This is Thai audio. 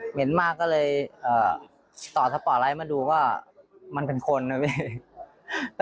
เห็นมากก็เลยต่อสปอร์ตไลท์มาดูว่ามันเป็นคนนะพี่